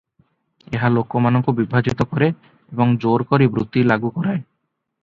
ଏହା ଲୋକମାନଙ୍କୁ ବିଭାଜିତ କରେ ଏବଂ ଜୋର କରି ବୃତ୍ତି ଲାଗୁ କରାଏ ।